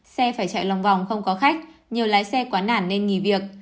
xe phải chạy lòng vòng không có khách nhiều lái xe quá nản nên nghỉ việc